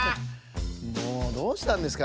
もうどうしたんですか。